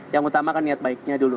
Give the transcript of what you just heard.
yang utama kan niat baiknya dulu